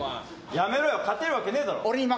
やめろよ勝てるわけねえだろ。